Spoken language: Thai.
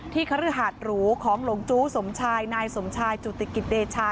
คฤหาสหรูของหลงจู้สมชายนายสมชายจุติกิจเดชา